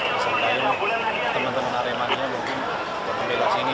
misalkan teman teman aremanya mungkin berpengelas ini